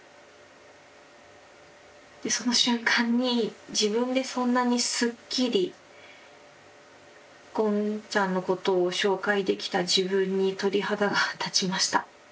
でその瞬間に自分でそんなにスッキリゴンちゃんのことを紹介できた自分に鳥肌が立ちました。